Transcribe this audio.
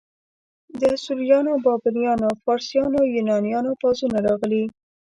د اسوریانو، بابلیانو، فارسیانو، یونانیانو پوځونه راغلي.